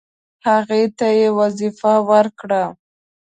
هغه ته یې وظیفه ورکړه.